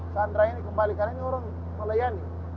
keantra ini kembalikan ini orang melayani